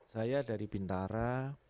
saya dari bintara